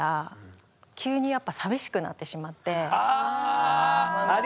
ああ！